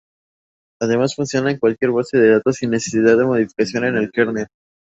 Además, funciona con cualquier base de datos sin necesidad de modificación en el kernel.